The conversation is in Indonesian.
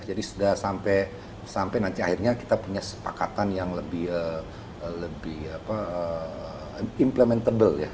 jadi sudah sampai nanti akhirnya kita punya sepakatan yang lebih implementable ya